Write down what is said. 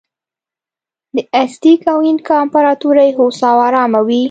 د ازتېک او اینکا امپراتورۍ هوسا او ارامه وې.